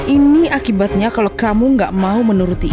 ini akibatnya kalau kamu gak mau menuruti